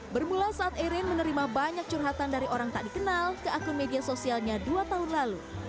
bermula saat erin menerima banyak curhatan dari orang tak dikenal ke akun media sosialnya dua tahun lalu